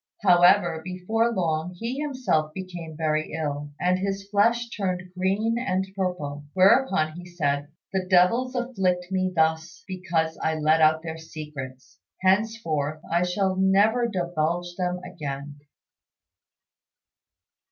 However, before long he himself became very ill, and his flesh turned green and purple; whereupon he said, "The devils afflict me thus because I let out their secrets. Henceforth I shall never divulge them again."